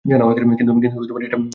কিন্তু এটা অষ্টম শ্রেণী।